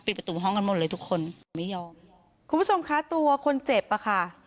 ประตูห้องกันหมดเลยทุกคนไม่ยอมคุณผู้ชมคะตัวคนเจ็บอ่ะค่ะ